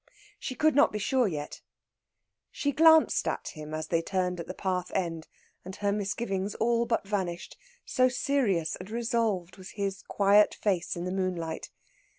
She could not be sure yet. She glanced at him as they turned at the path end, and her misgivings all but vanished, so serious and resolved was his quiet face in the moonlight.